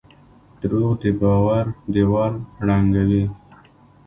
دروغ د باور دیوال ړنګوي.